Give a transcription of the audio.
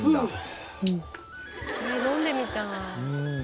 「飲んでみたい」